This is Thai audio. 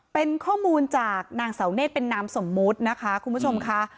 เป็นข้อมูลจากนางสาวเนคเป็นน้ำสมมุติคุณผู้ชมคะ